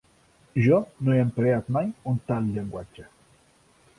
Jo no he emprat mai un tal llenguatge.